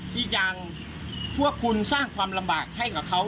ที่ยังพวกคุณสร้างความลำบากให้กับเขา